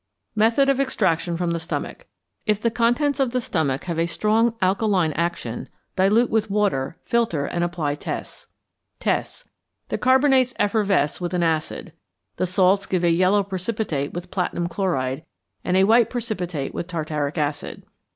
Method of Extraction from the Stomach. If the contents of the stomach have a strong alkaline action, dilute with water, filter, and apply tests. Tests. The carbonates effervesce with an acid. The salts give a yellow precipitate with platinum chloride, and a white precipitate with tartaric acid.